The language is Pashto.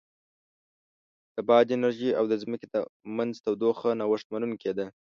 د باد انرژي او د ځمکې د منځ تودوخه نوښت منونکې ده.